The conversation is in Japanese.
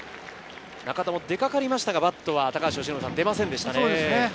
中田も出かかりましたが、バットは出ませんでしたね。